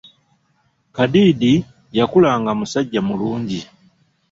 Kadiidi yakula nga musajja mulungi.